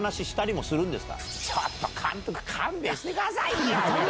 ちょっと監督勘弁してくださいよ！みたいな。